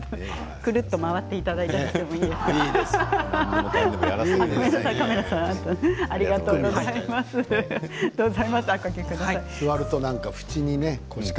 くるっと回っていただいていいですか？